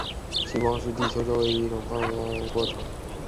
极光是地球周围的一种大规模放电的过程。